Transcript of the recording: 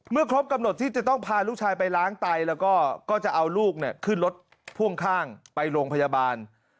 ครบกำหนดที่จะต้องพาลูกชายไปล้างไตแล้วก็จะเอาลูกขึ้นรถพ่วงข้างไปโรงพยาบาล